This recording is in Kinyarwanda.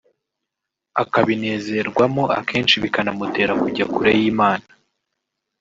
akabinezerwamo akenshi bikana mutera kujya kure y’Imana